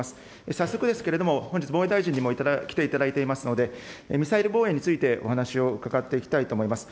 早速ですけれども、本日、防衛大臣にも来ていただいていますので、ミサイル防衛についてお話を伺っていきたいと思います。